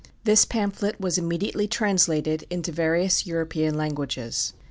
This pamphlet was immediately translated into various European languages.